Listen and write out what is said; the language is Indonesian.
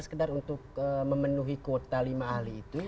sekedar untuk memenuhi kuota lima ahli itu